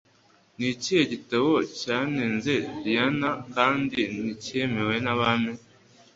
Nikihe gitabo cyanenze Diana kandi nticyemewe nabami